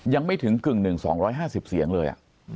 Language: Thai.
ยังไม่ถึงกึ่ง๑๒๕๐เสียงเลย